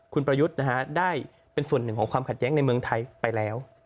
คุณประยุทธ์ได้เป็นส่วนหนึ่งของความขัดแย้งในเมืองไทยไปแล้ว